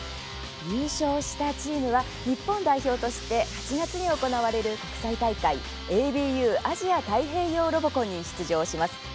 優勝したチームは日本代表として８月に行われる国際大会「ＡＢＵアジア・太平洋ロボコン」に出場します。